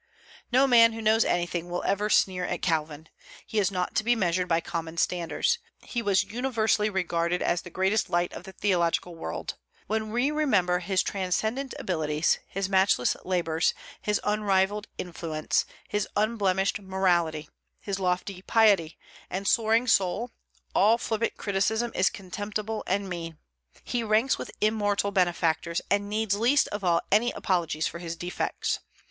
No man who knows anything will ever sneer at Calvin. He is not to be measured by common standards. He was universally regarded as the greatest light of the theological world. When we remember his transcendent abilities, his matchless labors, his unrivalled influence, his unblemished morality, his lofty piety, and soaring soul, all flippant criticism is contemptible and mean. He ranks with immortal benefactors, and needs least of all any apologies for his defects.